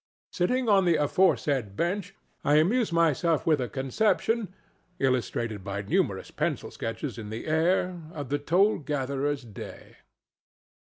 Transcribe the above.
Sitting on the aforesaid bench, I amuse myself with a conception, illustrated by numerous pencil sketches in the air, of the toll gatherer's day.